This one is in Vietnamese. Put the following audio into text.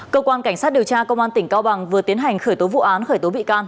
cơ quan cảnh sát điều tra công an tỉnh cao bằng vừa tiến hành khởi tố vụ án khởi tố bị can